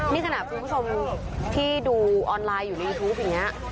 นี่ขนาดคุณผู้ชมที่ดูออนไลน์อยู่ในยูทูปอย่างนี้